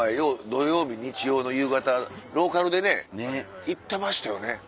土曜日・日曜の夕方ローカルでね行ってましたよね。